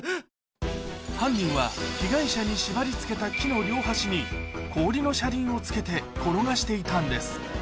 犯人は被害者に縛り付けた木の両端に氷の車輪を付けて転がしていたんです